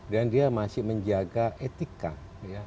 dan dia masih menjaga etika